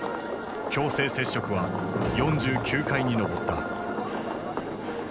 強制摂食は４９回に上った。